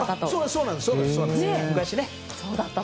そうなんです、昔ね。